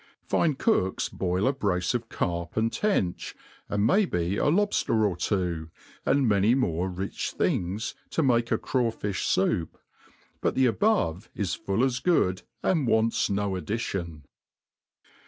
Fine cooks boil a brace of carp and tench^ and may be a lob fter or two, and many more rich things, to make a craw fiih foup \ but the above is full as good» and wants no addition.